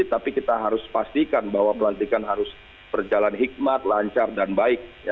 tapi kita harus pastikan bahwa pelantikan harus berjalan hikmat lancar dan baik